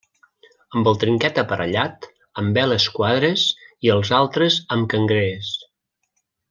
Amb el trinquet aparellat amb veles quadres i els altres amb cangrees.